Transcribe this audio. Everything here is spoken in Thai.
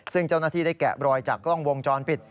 ซึ่งเจ้าหน้าที่ได้แกะบรอยจากกล้องวงจรปิด